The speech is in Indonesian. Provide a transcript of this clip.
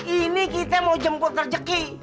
ini kita mau jemput rejeki